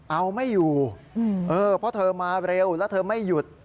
เอาไม่อยู่เพราะเธอมาเร็วแล้วเธอไม่หยุด